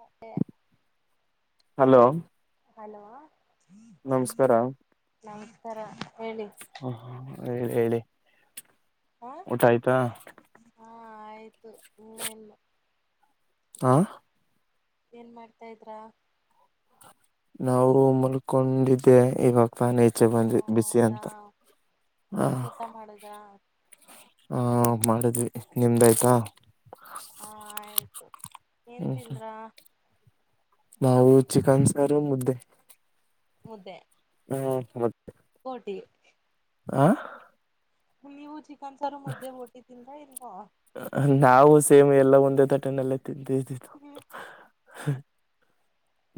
[unintelligible] Hello hello ನಮಸ್ಕಾರ ನಮಸ್ಕಾರ ಹೇಳಿ ಹಾ ಹೇಳಿ ಹ ಊಟ ಆಯ್ತಾ. ಹಾ ಆಯ್ತು ನೀವೆಲ್ಲಿ. ಆ ಏನ್ ಮಾಡ್ತಾ ಇದ್ರಾ. ನಾವು ಮಲ್ಕೊಂಡಿದ್ ದೆ ಇವಾಗ ತಾನೇ ಈಚೆ ಹ ಬಂದ್ವಿ ಬಿಸಿ ಹೌದಾ ಅಂತ ಹ ಊಟ ಮಾಡುದ್ರಾ ಆ ಮಾಡಿದ್ವಿ ನಿಮ್ದು ಆಯ್ತಾ ಹಾ ಆಯ್ತು ಏನ್ ಹ್ಮ ತಿಂದ್ರ ನಾವು ಚಿಕನ್ ಸಾರು ಮುದ್ದೆ. ಮುದ್ದೆ ಹ್ಮ್ ಮ್ ಕೋಟಿ ಆ ನೀವು ಚಿಕನ್ ಸಾರು ಮುದ್ದೆ ಓಟ್ಟಿದೀಲ್ಲ ಇಲ್ವೋ ನಾವು ಸೇಮ್ ಎಲ್ಲಾ ಒಂದೇ ತಟ್ಟೆನಲ್ಲೆ ತಿಂತಿದ್ದಿದ್ದು. ಹ್ಮ್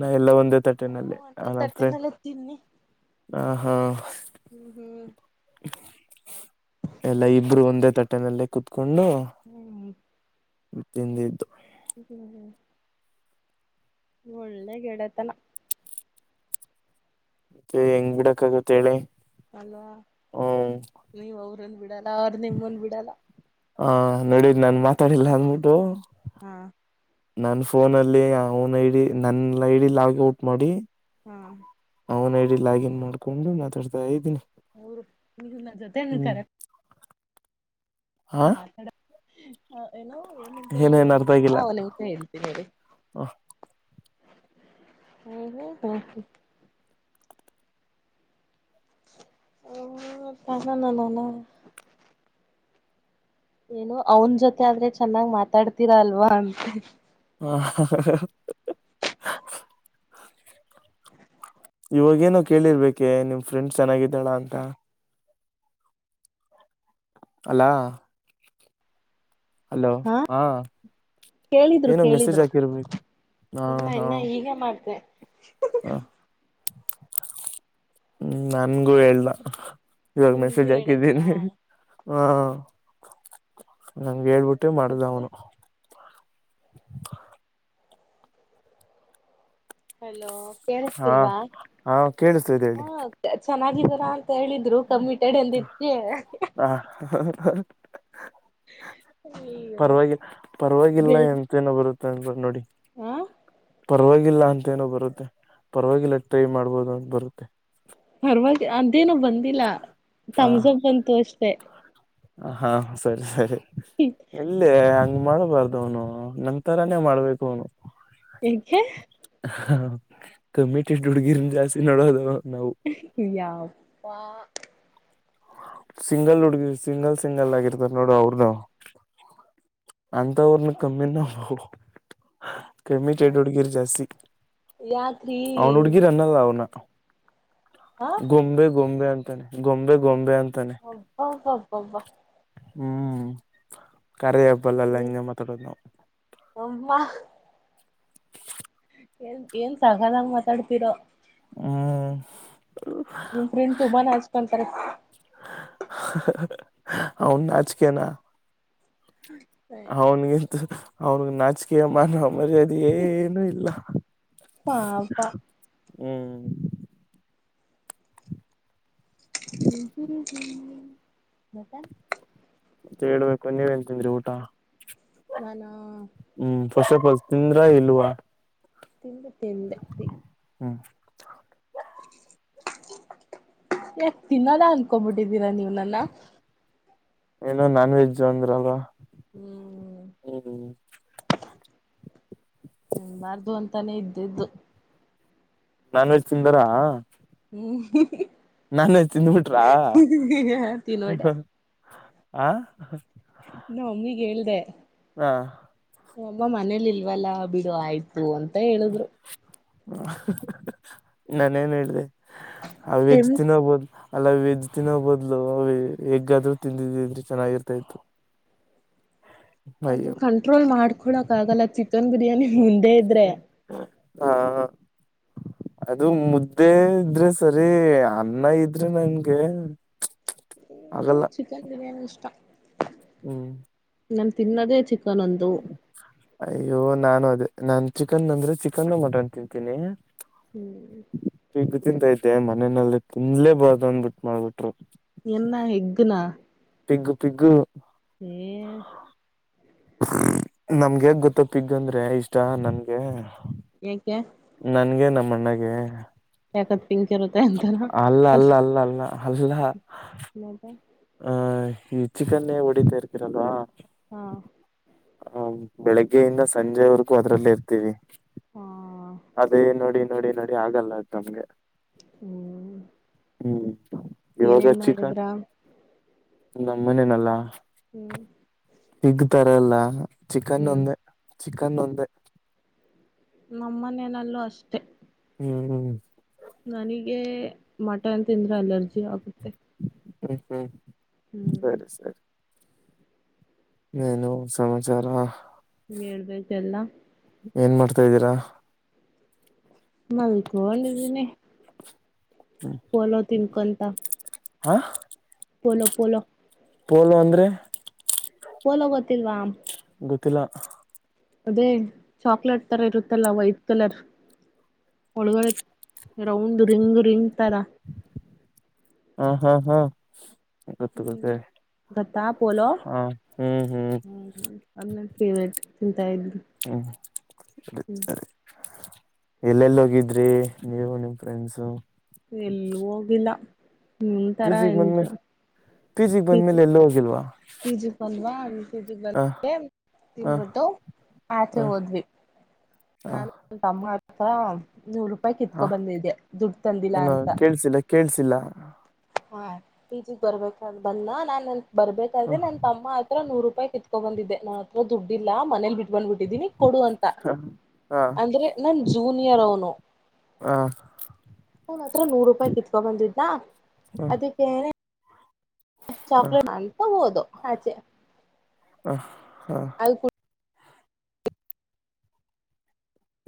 ನಾವ್ ಎಲ್ಲಾ ಒಂದೇ ತಟ್ಟ್ ಟೆನಲ್ಲೆ ಒಂದೇ ನಮ್ ಫ್ರೆಂಡ್ ತಟ್ಟೆನಲ್ಲ ತಿನ್ನಿ ಆ ಹಾ ಹ್ಮ್ ಹ್ಮ್ ಎಲ್ಲಾ ಇಬ್ರು ಒಂದೇ ತಟ್ಟೆನಲ್ಲೇ ಕೂತ್ಕೊಂಡು ಹ್ಮ್ ತಿಂದಿದ್ದು. [unintelligible] ಒಳ್ಳೆ ಗಿಡತನ ಮತ್ತ ಹೆಂಗ್ ಬಿಡಕ್ ಆಗತ್ತ ಹೇಳಿ ಅಲ್ವಾ ಹ್ಮ್ ನೀವ ಅವ್ರಂದ ಬಿಡಲ್ಲ ಅವ್ರ ನಿಮ್ಮಂದ ಬಿಡಲ್ಲ ಹ ನೋಡಿದ ನಾನ್ ಮಾತಾಡಿಿಲ್ಲ ಅಂದಬಿಟ್ಟು ಹಾ ನನ್ ಫೋನಲ್ಲಿ ಓನ್ ಐಡಿ ನನ್ ಐಡಿ ಲಾಗ್ ಔಟ್ ಮಾಡಿ ಹಾ ಅವನು ಐ ಡಿ ಲಾಗಿನ್ ಮಾಡ್ಕೊಂಡು ಮಾತಾಡ್ತಾ ಇದ್ದೀನಿ ಅವರು ನಿಮ್ಮ ಜೊತೆ ನಿ ಕಾರೆ ಹಾ ಮಾತಾಡ ಹ ಏನೋ ಏನುಂತ ಏನೇನ್ ಹೇಳಿರೋದು ಅರ್ಥ ಗೊತ್ತಾ ಆಗಿಲ್ಲ ಅವನು [unintelligible] [inaudible] [unintelligible] [inaudible] ಏನು ಅವನ್ ಜೊತೆ ಆದ್ರೆ ಚೆನ್ನಾಗ್ ಮಾತಾಡ್ತೀರಾ ಅಲ್ವಾ ಅಂತ ಹಾ [unintelligible] ಇವಾಗೇಏನೋ ಕೇಳಿರ್ಬೇಕೆ ನಿಮ್ ಫ್ರೆಂಡ್ಸ್ ಚೆನ್ನಾಗಿದ್ದಾಳಾ ಅಂತ ಅಲಾ ಹಲೋ ಹ ಹಾ ಕೇಳಿದ್ರು ಏನೋ ಮೆಸೇಜ್ ಕೇಳಿದ್ರು ಹಾಕಿರ್ಬೇಕು ಹಾ ಇಲ್ಲ ಹಾ ಇನ್ನ ಈಗ ಮಾಡ್ತೆ ಹ್ಮ ನನ್ಗೂ ಹೇಳ್ದ ಇವಾಗ ನಿಮ್ಗೂ ಮೆಸೇಜ್ ಹಾಕಿದ್ದೀನಿ ಹೇಳದ್ರಾ ಹಾ ನಂಗ ಹೇಳ್ಬಿಟ್ಟೆ ಮಾಡ್ದ ಮತ್ತೆ ಅವನು ಹಲೋ ಹಾ ಕೇಳಿಸತಿಲ್ವಾ ಹಾ ಕೇಳಿಸ್ತಾದೆ ಹೇಳಿ ಹ ಚೆನ್ನಾಗಿದ್ದಾರಾ ಅಂತ ಹೇಳ ರು ಕಮಿಟೆಡ್ ಅಂದಿತ್ತು [unintelligible] ಹಾ [unintelligible] ಅಯ್ಯೋ ಪರವಾಗಿ ಪರವಾಗಿಲ್ಲ ಎಂತೇನೋ ಬರುತ್ತೆ ಅಂತ ನೋಡಿ ಹ್ಮ್ ಪರವಾಗಿಲ್ಲ ಅಂತೇನೋ ಬರುತ್ತೆ ಪರವಾಗಿಲ್ಲ ಟ್ರೈ ಮಾಡ್ಬೋದು ಅಂತ ಬರುತ್ತೆ ಪರವಾಗಿ ಅದೇನು ಬಂದಿಲ್ಲ ತಮಸಪ್ ಹ ಬಂತು ಅಷ್ಟೆ ಹಾ ಹ ಸರಿ ಸರಿ ಇಲ್ಲೇ ಹಂಗ ಮಾಡಬಾರ್ದ ಅವ್ನು ಹ ನಂತರನೇ ಮಾಡ್ಬೇಕು ಅವನು ಯಾಕೆ ಕಮಿಟ್ ಹುಡ್ಗಿರಿನ ಜಾಸ್ತಿ ನೋಡೋದು ನಾವು ಯಪ್ಪಾ ಸಿಂಗಲ್ ಹುಡ್ಗಿ ಸಿಂಗಲ್ ಸಿಂಗಲ್ ಆಗಿರ್ತಾರ್ ನೋಡು ಅವ್ರದ ಅಂತವ್ರನ ಕಮ್ಮಿ ನ ಕಮ್ಮಿ ಚಡ ಹುಡ್ಗಿರ್ ಜಾಸ್ತಿ ಯಾಕೆ ರಿ ಅವ್ನು ಹುಡುಗಿ ಅನ್ನಲ್ಲ ಅವನು ಹಾ ಗೊಂಬೆ ಗೊಂಬೆ ಅಂತಾನೆ ಗೊಂಬೆ ಗೊಂಬೆ ಅಂತಾನೆ ಹಬ ಹಬ [unintelligible] ಹ್ಮ್ ಕಾರ್ಯ ಹಬ್ಬಲ್ಲೆಲ್ಲ ಹಿಂಗೆ ಮಾತಾಡೋದು್ ನಾವು ಹಮ್ಮ ಏನ್ ಏನ್ ಸಾಗದಂಗ ಮಾತಾಡ್ತಿೀರೋ ಹ್ಮ್ ನಿಮ್ ಫ್ರೆಂಡ್ ತುಂಬಾ ನಾಚ್ಕೋನ್ತಾರೆ ಅವ್ನ್ಗ್ ನಚ್ಕೆನಾ. ಹ್ಮ್ ಅವ್ನ್ಗೆಂತ ಅದು, ಅವ್ನ್ಗ್ ನಾಚ್ಕೆ ಮಾನ ಮರ್ಯಾದೆ ಏನು ಇಲ್ಲ. ಪಾಪಾ ಹ್ಮ್ ಹ್ಮ್ ಹ್ಮ್ ಹ್ಮು ಮತ್ತೆ ಮತ್ತೆೇಳ್ಬೇಕು ನೀವೇನ್ ತಿಂದ್ರಿ ಊಟ? ನಾನಾ ಹ್ಮ್ ಫಸ್ಟಫಾಲ್ ತಿಂದ್ರ ಇಲ್ವಾ ತಿಂದೆ ತಿಂದೆ ತಿನ್ ಹ್ಮ್ ಯಾಕ್ ತಿನ್ನಲ್ಲ ಅನ್ಕೊಬಿಟ್ಟಿದ್ದೀರಾ ನೀವ್ ನನ್ನ. ಏನೊ ನಾನ್ ವೆಜ್ಜು ಅಂದ್ರಲ್ವ ಹ್ಮ್ ಹ್ಮ ತಿನ್ಬಾರ್ದು ಅಂತಾನೇ ಇದ್ದಿದ್ದು ನಾನ್ ವೆಜ್ ತಿಂದಿರಾ. ಹ್ಮ್ ನಾನ್ ವೆಜ್ ತಿನ್ಬಿಟ್ರಾ, ತಿನ್ವಡ ಆಹ್ ನಮಮ್ಮಿಗ್ ಹೇಳ್ದೆ ಹಾ ಅಮ್ಮ ಮನೇಲ್ ಇಲ್ವಲ್ಲ ಬಿಡು ಆಯ್ತು ಅಂತ ಹೇಳಿದ್ರು. ನಾನೇನ್ ಹೇಳ್ಳಿ, ಆ ವೆಜ್ಜ್ ತೆಮ್ ತಿನ್ನೊಬೊದ್ ಅಲ್ಲ ವೆಜ್ ತಿನ್ನೋ ಬೊದ್ಲು, ಹೆಗ್ಗಾದ್ರೂ ತಿಂದಿದಿದ್ರೆ ಚೆನ್ನಾಗಿರ್ತಾ ಇತ್ತು ಅದು ಅಯ್ಯೋ ಕಂಟ್ರೋಲ್ ಮಾಡ್ಕೊಳಕ್ ಆಗಲ್ಲ ಚಿಕನ್ ಬಿರ್ಯಾನಿ ಮುಂದೆ ಇದ್ರೆ ಹಾ ಅದು ಮುದ್ದೆ ಇದ್ರೆ ಸರಿ, ಅನ್ನ ಇದ್ರೆ ನಂಗೆ ಹಾಗಲ್ಲ. ನಂಗೆ ಚಿಕನ್ ಬಿರಿಯಾನಿ ಇಷ್ಟ ಹ್ಮ್ ನಾನ್ ತಿನ್ನೊದೇ ಚಿಕನ್ ಒಂದು. ಅಯ್ಯೋ ನಾನು ಅದೇ, ನಾನ್ ಚಿಕನ್ ಅಂದ್ರೆ ಚಿಕನ್ನು ಮಟನ್ ತಿಂತೀನಿ. ಹ್ಮ್ ಪಿಗ್ ತಿಂತ ಇದ್ದೆ ಮನೆನಲ್ಲಿ ತಿನ್ಲೇಬಾರ್ದು ಅನ್ಬಿಟ್ ಮಾಡ್ಬಿಟ್ರು ಏನ್ನ ಹೆಗ್ಗ್ ನಾ? ಪಿಗ್ಗ್ ಪಿಗ್ಗು ಏ ನಮ್ಗೆಗ್ ಗೊತ್ತ ಪ್ಪಿಗಂದ್ರೆ ಇಷ್ಟ ನನ್ಗೆ. ಏಕ್ಕೆ ನನ್ಗೆ ನಮ್ಮಣ್ಣಗೆ ಯಾಕದ್ ಪಿಂಕ್ ಇರುತ್ತೆ ಅಂತಾನ ಅಲ್ಲ ಅಲ್ಲ ಅಲ್ಲ ಅಲ್ಲ ಅಲ್ಲಾ ಮತ್ತೆ ಆಹ ಈ ಚಿಕನ್ನೇ ಹೊಡಿತಾ ಇರ್ತಿರಲ್ವಾ. ಹಾ ಹ ಬೆಳಿಗ್ಗೆಯಿಂದ ಸಂಜೆವರೆಗೂ ಅದ್ರಲ್ಲೇ ಇರ್ತೀವಿ. ಹಾ ಅದೇ ನೋಡಿ ನೋಡಿ ನೋಡಿ ಆಗಲ್ಲ ಅದು ನಮಗೆ. ಹ್ಮ್ ಹ್ಮ್ ಇವಾಗ ಏನೇನ್ ಚಿಕನ್ ಮಾಡಿದ್ರ ನಮ್ಮ ಮನೇನಲ್ಲಾ. ಹ್ಮ್ ಪೀಗ್ ತರಲ್ಲ ಚಿಕನ್ ಹ್ಮ್ ಒಂದೇ ಚಿಕನ್ ಒಂದೇ. ನಮ್ಮ ಮನೆನಲ್ಲೂ ಅಷ್ಟೇ. ಹ್ಮ್ ಹ್ಮ್ ನನಗೆ ಮಟನ್ ತಿಂದ್ರೆ ಅಲರ್ಜಿ ಆಗುತ್ತೆ. ಹ್ಮ್ ಹ್ಮ್ ಹ್ಮ್ ಸರಿ ಸರಿ ಇನ್ನೇನು ಸಮಾಚಾರ. ಹೇಳ್ಬೇಕು ಎಲ್ಲಾ ಏನ್ ಮಾಡ್ತಾ ಇದ್ದೀರಾ. ಮಲ್ಕಕೊಂಡಿದ್ದೀನಿ ಪೋಲೋ ತಿನ್ಕೊಂತ. ಹಾ ಪೋಲೋ ಪೋಲೋ ಪೋಲೋ ಅಂದ್ರೆ ಪೋಲೋ ಗೊತ್ತಿಲ್ವಾ. ಗೊತ್ತಿಲ್ಲ ಅದೇ ಚಾಕ್ಲೇಟ್ ತರ ಇರುತ್ತಲ್ಲ ವೈಟ್ ಕಲರ್ ಒಳಗಡೆ ರೌಂಡ್ ರಿಂಗ್ ರಿಂಗ್ ತರ ಹಾ ಹಾ ಹಾ ಗೊತ್ತು ಗೊತ್ತ ಗೊತ್ತಾ ಪೋಲೋ. ಹಾ ಹ್ಮ್ ಹ್ಮ್ ಅದು ನಾನ್ ಪೇವ್ರೇಟ್ ತಿಂತಾ ಇದ್ದನಿ. ಹ್ಮ್ ಸರಿ ಸರಿ ಎಲ್ಲೆಲ್ಲಿ ಹೋಗಿದ್ರಿ ನೀವು ನಿಮ್ ಫ್ರೆಂಡ್ಸು. ಎಲ್ಲೂ ಹೋಗಿಲ್ಲ ನಿ ತರ ಎಂಜ್ ಪಿ ಜಿ ಗೆ ಬಂದ್ಮೇಲೆ ಎಲ್ಲೂ ಹೋಗಿಲ್ವಾ. ಪಿ ಜಿ ಗೆ ಬಂದ್ವಾ ಪಿ ಜಿ ಹ ಬಂದ್ಬಿಟ್ಟು ಹ ತಿನ್ಬಿಟ್ಟು ಹ ಆಚೆ ಹೋದ್ವಿ ಹ ನಾನು ತಮ್ಮ ಹತ್ರ ನೂರು ರೂಪಾಯಿ ಹ ಕಿತ್ಕೊ ಬಂದಿದೆ ದುಡ್ಡು ತಂದಿಲ್ಲಾ ಅಂತ. ಕೇಳಸಿಲ್ಲ. ಹಾ ಪಿ ಜಿ ಗ್ ಬರಬೇಕಂತ ಬನ್ನ ನಾನು ನನ್ ಹ ಬರಬೇಕಾದ್ರೆ ನನ್ ತಮ್ಮ ಹತ್ರ ನೂರು ರೂಪಾಯಿ ಕಿತ್ಕೊ ಬಂದಿದ್ದೆ ನನ್ ಹತ್ರ ದುಡ್ಡು ಇಲ್ಲ ಮನೇಲಿ ಬಿಟ್ ಬಂದ್ ಬಿಟ್ಟಿದ್ದೀನಿ ಕೊಡು ಅಂತ ಹ ಹಾ ಅಂದ್ರೆ ನನ್ ಜೂನಿಯರ್ ಅವನು. ಹ ಅವನ್ ಹತ್ರ ನೂರು ರೂಪಾಯಿ ಕಿತ್ಕೊ ಬಂದಿದ್ದನ್ನ ಅದಿಕ್ಕೆ ಹ ಚಾಕ್ಲೇಟ್ ಅಔತಾ ಹೋದು ಆಚೆ ಹ ಹ [unintelligible]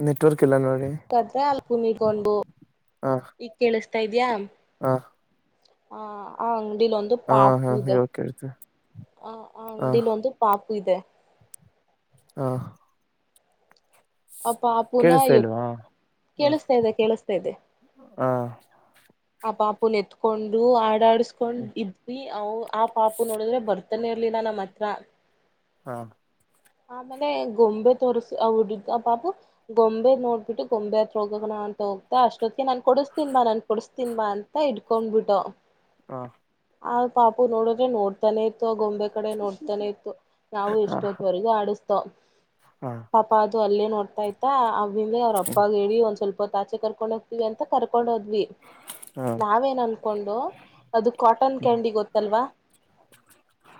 ನೆಟ್ವರ್ಕ್ ಇಲ್ಲ ನೋಡಿ. [unintelligible] ಈಗ ಕೇಳಸ್ತಾ ಇದ್ಯಾ? ಹಾ ಹ ಆ ಅಂಗಡಿಲ್ ಒಂದು ಹ ಪಾಪು ಹಾ ಇದೆ ಇವಾಗ ಕೇಳ್ತ ಆ ಆ ಹ ಅಂಗಡಿಲ್ ಒಂದು ಪಾಪು ಇದೆ. ಹಾ ಆ ಪಪೂನ್ ಕೇಳಿಸ್ತಾ ಏ ಪುನಃ ಇಲ್ವಾ ಹ ಕೇಳಿಸ್ತಾ ಇದೆ ಕೇಳಿಸ್ತಾ ಇದೆ. ಹಾ ಆ ಪಾಪು ನ ಎತ್ಕೊಂಡು ಆಡಾಡ್ಸಕೊಂಡ್ ಇದ್ವಿ ಅ ಆ ಪಾಪು ನೋಡಿದ್ರೆ ಬರ್ತ ತಾನೆ ಇರ್ಲಿಲ್ಲ ನಮ್ಮ ಹತ್ರ. ಹಾ ಆಮೇಲೆ ಗೊಂಬೆ ತೋರಿಸಿ ಆವ್ ಆ ಹುಡ್ ಆ ಪಾಪೂ ಬೊಂಬೆ ನೋಡ್ಬಿಟ್ಟು ಗೊಂಬೆ ಹತ್ರ ಹೋಗಣ ಅಂತ ಹೋಗ್ತಾ ಅಷ್ಟೊತ್ತಿಗೆ ನಾನ್ ಕೊಡಸ್ತೀನ್ ಬಾ ನಾನ್ ಕೊಡಸ್ ಕೊಡಿಸ್ತೀನಿ ಬಾ ಅಂತ ಇಟ್ಕೊಂಡ್ಬಿಟ್ಟೊ ಹಾ ಆ ಪಾಪು ನೋಡಿದ್ರೆ ನೋಡ್ತಾನೆ ಇತ್ತು ಆ ಗೊಂಬೆ ಕಡೆ ನೋಡ್ತಾನೆ ಇತ್ತು. ನಾವು ಹಾ ಎಷ್ಟೊತ್ತವರೆಗೂ ಆಡಸ್ತೋ ಹಾ ಪಾಪಾ ಅದು ಅಲ್ಲೇ ನೋಡ್ತಾ ಇತ್ತಾ ಅವ ಹಿಂದೆ ಅವ್ರ ಅಪ್ಪಾಗ ಹೇಳಿ ಒಂದ್ ಸ್ವಲ್ಪ ತ್ತ ಆಚೆ ಕರ್ಕೊಂಡ ಹೋಗ್ತತಿವಿ ಅಂತ ಕರ್ಕೊಂಡ ಹೋದ್ವಿ. ಹಾ ನಾವೇನ್ ಅನ್ಕೊಂಡು ಅದು ಕಾಟನ್ ಕ್ಯಾಂಡಿ ಗೊತ್ತಲ್ವಾ?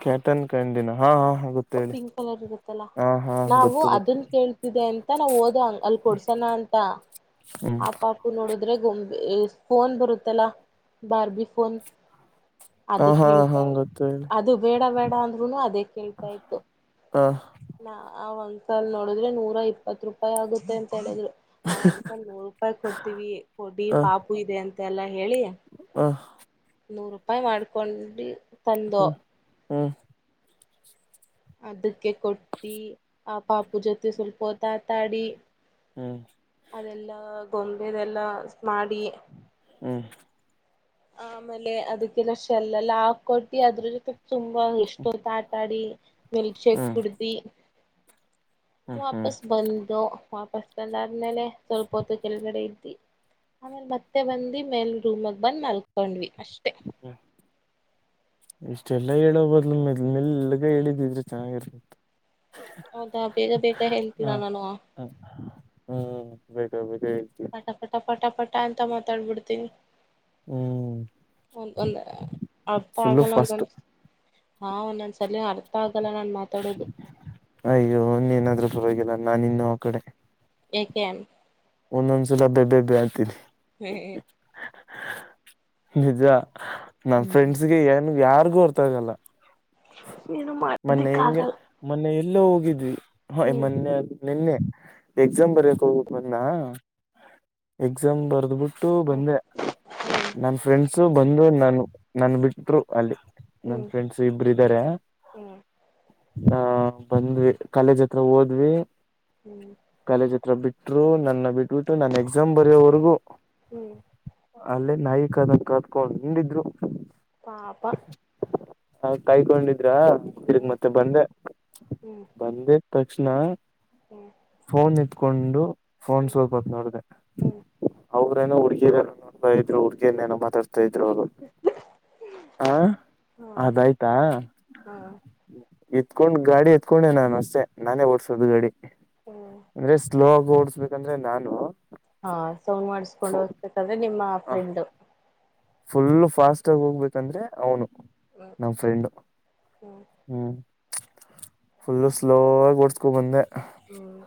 ಕ್ಯಾಟನ್ ಕ್ಯಾಂಡಿನಾ ಹಾ ಹಾ ಹಾ ಗೊತ್ತು ಹೇಳಿ ಪಿಂಕ್ ಕಲರ್ ಇರತ್ತಲ್ಲಾ? ಹಾ ಹಾ ನಾವು ಗೊತ್ತು ಗೊತ್ತು ಅದನ್ ಕೇಳ್ತಿದೆ ಅಂತ ನಾವು ಹೋದೆ ಅಲ್ ಕೊಡ್ಸೋಣ ಅಂತಾ ಹ್ಮ ಆಪಾಪು ನೋಡುದ್ರೆ ಗೊಂಬೆ ಫೋನ್ ಬರುತ್ತಲ್ಲ ಬಾರ್ಬಿ ಫೋನ್ ಹಾ ಅದ ಹಾ ಹಾ ಕೇಳ್ತಾ ಗೊತ್ತು ಹೇಳಿ ಅದು ಬೇಡ ಬೇಡ ಅಂದ್ರುನು ಅದೇ ಕೇಳ್ತಾ ಇತ್ತು. ಹಾ ನಾ ಒಂದ್ಸಲ್ ನೋಡಿದ್ರೆ ನೂರ ಇಪ್ಪತ್ ರೂಪಾಯಿ ಆಗುತ್ತೆ ಅಂತ ಹೇಳಿದ್ರು. ನಾವ್ ಅಕಂದ್ ನೂರು ರೂಪಾಯಿ ಕೊಡ್ತೀವಿ ಕೊಡಿ ಹ ಪಾಪು ಇದೆ ಅಂತೆ ಎಲ್ಲಾ ಹೇಳಿ ಹ ನೂರ ರೂಪಾಯಿ ಮಾಡ್ಕೊಂಡಿ ತಂದೋ ಹ್ಮ ಹ್ಮ ಅದಕ್ಕೆ ಕೊಟ್ಟಿ ಆ ಪಾಪು ಜೊತೆ ಸ್ವಲ್ಪ ಹೊತ್ತ ಆಟಾಡಿ ಹ್ಮ್ ಅದೆಲ್ಲಾ ಗೊಂಬೇದೆಲ್ಲ ಸ ಮಾಡಿ ಹ್ಮ್ ಆ ಆಮೇಲೆ ಅದಕ್ಕೆಲ್ಲ ಶೆಲ್ ಎಲ್ಲಾ ಹಾಕೊಟ್ಟಿ ಅದ್ರ ಜೊತೆ ತುಂಬಾ ಎಷ್ಟೊತ್ ಆಟಾ ಆಡಿ ಮಿಲ್ಕ್ ಶೇಕ್ ಹ್ಮ್ ಕುಡ್ದೀ ಹ್ಮ್ ಹ್ಮ್ ವಾಪಸ್ ಬಂದು ವಾಪಸ್ ಬಂದ ಆದ್ಮೇಲೆ ಸ್ವಲ್ಪ ಹೊತ್ತು ಕೆಳಗಡೆ ಇದ್ದಿ ಆಮೇಲ ಮತ್ತೆ ಬಂದಿ ಮೇಲ್ ರೂಮಲ್ಲಿ ಬಂದ್ ಮಲ್ಕೊಂಡ್ವಿ ಅಷ್ಟೇ. ಹ್ಮ ಇಷ್ಟೆಲ್ಲಾ ಹೇಳೋ ಬದ್ಲು ಮೆಲ್ ಮೆಲ್ಗ ಹೇಳಿದಿದ್ರೆ ಚೆನ್ನಾಗಿರ್ ಹೌದಾ ಬೇಗ ಬೇಗ ಹೇಳ್ತೀನಾ ನಾನು? ಹ ಹ್ಮ್ ಬೇಗ ಬೇಗ ಹೇಳ್ತಿ ಟ ಪಟ ಪಟ ಪಟ ಅಂತ ಮಾತಾಡ್ಬಿಡ್ತೀನಿ. ಹ್ಮ್ ಒ ಒಂದು ಅರ್ಥ ಫುಲ್ಲು ಆಗಲ್ಲ ಫಾಸ್ಟ್ ಅಂದನ್ ಹಾ ಒನ್ ಸಲಿ ಅರ್ಥ ಆಗಲ್ಲ ನಾನ್ ಮಾತಾಡೋದು. ಅಯ್ಯೋನ್ನೇನಾದ್ರೂ ಪರವಾಗಿಲ್ಲ ನಾನು ಇನ್ನು ಆ ಕಡೆ ಯಾಕೆ. ಒಂದೊಂದ್ಸಲಿ ಅಬೇಬೇಬೆ ಅನ್ತೀ ಹೆ ನಿಜ ನನ್ ಹ್ಮ್ ಫ್ರೆಂಡ್ಸ್ಗೆ ಏನ್ ಯಾರಿಗೂ ಅರ್ಥ ಆಗಲ್ಲ. ಏನು ಮೊನ್ನೆ ಹಿಂಗೆ ಮಾಡದಕ್ಕಾಗಲ್ಲ ಮೊನ್ನೆ ಎಲ್ಲೋ ಹೋಗಿದ್ವಿ ಹ ಹ್ಮ್ ಮೊನ್ನೆ ಅ ನಿನ್ನೆ ಎಕ್ಸಾಮ್ ಬರಕ್ ಹೋಗಿಕ್ ಬಂದ್ನ ಎಕ್ಸಾಮ್ ಬರ್ದಬಿಟ್ಟು ಟು ಬಂದೆ. ನನ್ ಫ್ರೆಂಡ್ಸು ಬಂದು ನಾನು ನನ್ ಬಿಟ್ರು ಅಲ್ಲಿ ನನ್ ಹ್ಮ್ ಫ್ರೆಂಡ್ಸ ಇಬ್ಬರು ಇದ್ದಾರೆ. ಹ್ಮ್ ಹ್ಮ್ ಆಹ ಬಂದ್ವಿ ಕಾಲೇಜ್ ಹತ್ರ ಹೋದ್ವಿ. ಹ್ಮ್ ಕಾಲೇಜ್ ಹತ್ರ ಬಿಟ್ಟರು ನನ್ನ ಬಿಟ್ಬಿಟ್ಟು ನನ್ನ ಎಕ್ಸಾಮ್ ಬರೆಯೋವರೆಗೂ. ಹ್ಮ್ ಅಲ್ಲೇ ನಾಯಿ ಕದಂಗ್ ಕತ್ಕೊಂಡು ಇದ್ರೂ. ಪಾಪಾ ಹ ಕಾಯ್ಕೊಂಡಿದ್ರಾ ತಿರಗ್ ಹ್ಮ್ ಮತ್ತೆ ಬಂದೆ ಹ್ಮ್ ಬಂದೂ ತಕ್ಷಣ ಹ್ಮ್ ಪೋನ್ ಇಟ್ಕೊಂಡು ಪೋನ್ ಹ್ಮ್ ಸ್ವಲ್ಪ ಹೊತ್ತು ನೋಡ್ದೆ ಹ್ಮ್ ಅವ್ರೇನೆ ಹುಡುಗಿರ್ ನೋ ಹ ಇದ್ ಹುಡುಗಿರ್ ಏನೋ ಮಾತಾಡ್ಸಾತ್ತ ಇದ್ರು ಅವರು. ಹ ಹಾ ಅದಾಯ್ತಾ. ಹಾ ಎತ್ಕೊಂಡ್ ಗಾಡಿ ಎತ್ಕೊಂಡೆ ನಾನು ಅಸ್ಟೇ ನಾನೇ ಓಡ್ಸೋದು ಗಾಡಿ. ಹ್ಮ್ ಅಂದ್ರೆ ಸ್ಲೋ ಆಗಿ ಓಡ್ಸ್ಬೇಕಂದ್ರೆ ನಾನು ಹಾ ಸೌಂಡ್ ಮಾಡಿಸಕೊಂಡು ಹೋಗ್ತದ್ರೆ ನಿಮ್ಮ ಫ್ರೆಂಡ್ ಫುಲ್ ಫಾಸ್ಟ್ ಆಗಿ ಹೋಗ್ಬೇಕಂದ್ರೆ ಅವನು ಹ್ಮ್ ನಮ್ಮ್ ಫ್ರೆಂಡು. ಹ್ಮ್ ಹ್ಮ್ ಫುಲ್ಲು ಸ್ಲೋ ಆಗಿ ಓಡ್ಸ್ಕೊ ಬಂದೆ. ಹ್ಮ್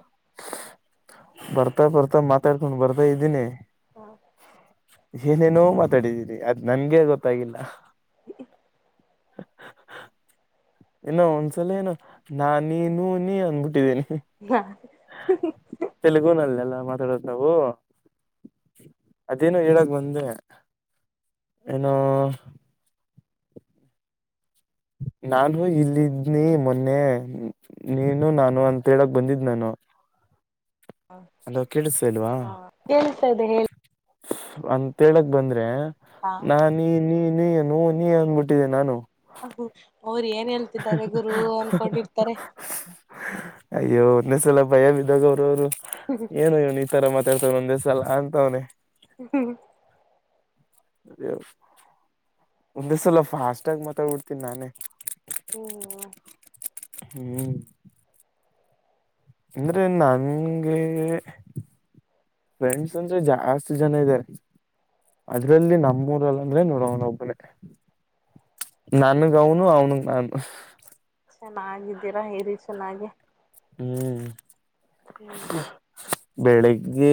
ಬರ್ತಾ ಬರ್ತಾ ಮಾತಾಡ್ಕೊಂಡು ಬರ್ತಾ ಇದ್ದೀನಿ. ಹಾ ಏನೇನೋ ಮಾತಾಡಿದೀನಿ ಅದು ನನ್ಗೆ ಗೊತ್ತಾಗಿಲ್ಲ. ಇನ್ನೂ ಒಂದ್ಸಲಿ ಏನೋ ನಾನು ನೀನು ನೀ ಅಂದುಬಿಟ್ಟಿದಿನಿ. ಹಾ ತೆಲುಗಿನಲ್ಲಿ ಅಲ್ಲ ಮಾತಾಡದು ನಾವು ಅದೇನೋ ಹೇಳಕ್ ಬಂದೆ. ಏನೋ ನಾನು ಇಲ್ಲಿ ಇದ್ನಿ ಮೊನ್ನೆ ನೀನು ನಾನು ಅಂತ ಹೇಳಕ್ ಬಂದಿದ್ ನಾನು. ಹಲೋ ಕೇಳಿಸ್ತ ಇಲ್ವಾ ಹ ಕೇಳಿಸ್ತಾ ಇದೆ ಹೇಳಿ ಅಂತ ಹೇಳೇಕೆ ಬಂದ್ರೆ ಹಾ ನಾನ್ ನೀ ನೀ ನೀ ನೀನೋ ನೀ ಅಂದಬಿಟ್ಟಿದೆ ನಾನು. ಅವರು ಏನ್ ಹೇಳ್ತಿದ್ದಾರೆ. ‌ಘ ಗುರು ಅನ್ಕೊಂಡಿರ್ತಾರೆ ಅಯ್ಯೋ ಒನ್ನೆಸಲ ಭಯ ಬಿದಾಗೆ ಅವರು ಅವರು. ಹ್ಮ್ ಏನು ಇವನು ಈ ತರ ಮಾತಾಡ್ತದೆ ಒಂದ ದಸಲ ಅಂತವನನೆ [unintelligible] ಅದೇ ಒಂದೇಸಲ ಫಾಸ್ಟ್ ಆಗಿ ಮಾತಾಡ್ಬಿಡ್ತೀನಿ ನಾನೇ ಹ್ಮ [unintelligible] [unintelligible] ಹ್ಮ್ ಅಂದ್ರೆ ನನ್ಗೆ ಫ್ರೆಂಡ್ಸ್ ಅಂದ್ರೆ ಜಾಸ್ತಿ ಜನ ಇದಾರೆ ಅದ್ರಲ್ಲಿ ನಮ್ಮೂರಲ್ಲ ನೋಡ ಅವನ ಒಬ್ಬನೇ ನನ್ಗ ಅವನು ಅವನಗ್ ನಾನು ಚೆನ್ನಾಗಿದ್ದೀರಾ ಇರಿ ಚೆನ್ನಾಗಿ ಹ್ಮ್ ಹ್ಮ್ [unintelligible] ಬೆಳಿಗ್ಗೆ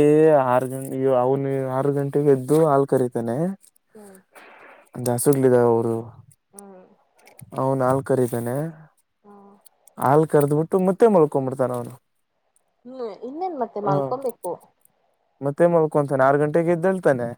ಆರು ಗಂಟೆ ಅವನು ಆರು ಗಂಟೆಗೆ ಎದ್ದು ಹಾಲ್ ಕರತಾನೆ ಹ್ಮ್ ದಾಸರಲ್ಲಿ ಅವರು ಹ್ಮ್ ಅವನು ಹಾಲ್ ಕರೀತಾನೆ ಹ್ಮ್ ಹಾಲ್ ಕರೆದ್ಬಿಟ್ಟು ಮತ್ತೆ ಮಲ್ಕೊಂಡು ಬಿಡ್ತಾನೆ ಅವನು ಹ್ಮ್ ಇನ್ನೇನ್ ಮತ್ತೆ ಹ ಮಲ್ಕೊಬೇಕು ಮತ್ತೆ ಮಲ್ಕೊಂತಾನೆ ಆರು ಗಂಟೆಗೆ ಏದ್ದೇಳ್ತಾನೆ